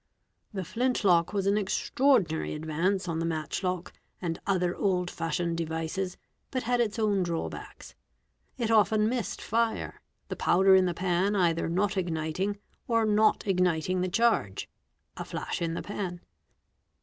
The flint lock was an extraordinary advance on the matchlock and | other old fashioned devices but had its own drawbacks: it often missed fire, the powder in the pan either not igniting or not igniting the charge | ("a flash in the pan'').